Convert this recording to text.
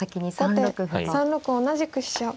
後手３六同じく飛車。